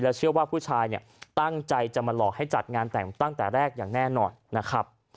เชื่อว่าผู้ชายเนี่ยตั้งใจจะมาหลอกให้จัดงานแต่งตั้งแต่แรกอย่างแน่นอนนะครับ